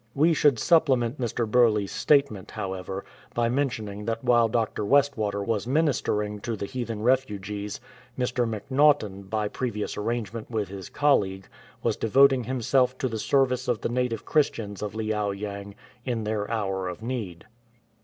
"" We should supplement Mr. Burleigh's statement, however, by mentioning that while Dr. Westwater was ministering to the heathen refugees, Mr. MacNaughtan, by previous arrangement with his colleague, was devoting himself to the service of the native Christians of Liao yang in their hour of need.